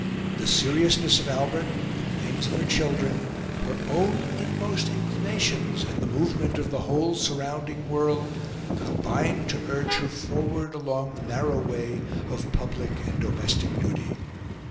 The seriousness of Albert, the claims of her children, her own inmost inclinations, and the movement of the whole surrounding world, combined to urge her forward along the narrow way of public and domestic duty.